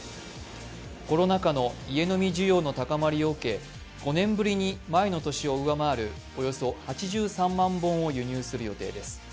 コロナ禍の家飲み需要の高まりを受け、５年ぶりに前の年を上回るおよそ８３万本を輸入する予定です。